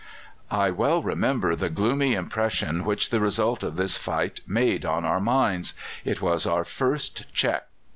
"I well remember the gloomy impression which the result of this fight made on our minds. It was our first check."